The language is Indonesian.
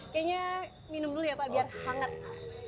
kayaknya minum dulu ya pak biar hangat